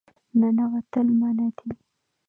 ننوتل منع دي